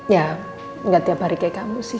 ya nggak tiap hari kayak kamu sih